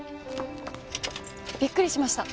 びっくりしました。